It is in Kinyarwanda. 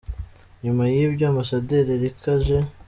Nyuma y’ibyo, Ambasaderi , Erica J.